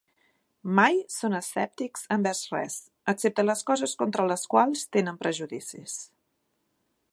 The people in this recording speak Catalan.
Mai són escèptics envers res, excepte les coses contra les quals tenen prejudicis.